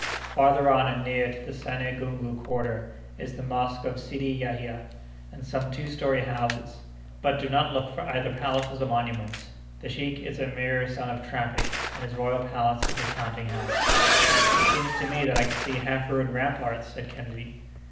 Farther on, and near to the Sane Gungu quarter, is the Mosque of Sidi Yahia and some two story houses. But do not look for either palaces or monuments: the sheik is a mere son of traffic, and his royal palace is a counting house." "It seems to me that I can see half ruined ramparts," said Kennedy.